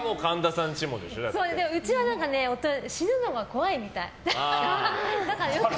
うちは、死ぬのが怖いみたい。